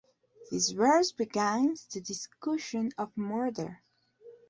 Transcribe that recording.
This verse begins the discussion of murder.